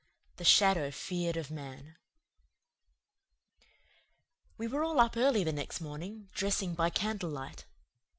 THE SHADOW FEARED OF MAN We were all up early the next morning, dressing by candlelight.